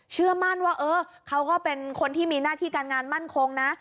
เชื่อมั่นว่าเออเขาก็เป็นคนที่มีหน้าที่การงานมั่นคงนะ